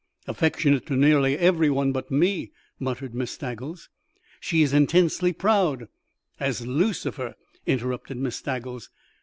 "Affectionate to nearly every one but me," muttered Miss Staggles. "She is intensely proud " "As Lucifer!" interrupted Miss Staggles.